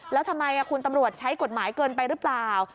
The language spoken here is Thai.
แล้วทำไมคุณตำรวจใช้กฎหมายเกินไปหรือเปล่า